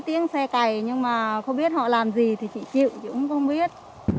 có tiếng xe cày nhưng mà không biết họ làm gì thì chị chịu chị cũng không biết